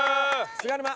菅沼！